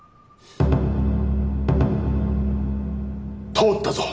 通ったぞ。